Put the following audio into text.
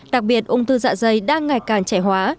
đặc biệt ung thư dạ dày đang ngày càng trẻ hóa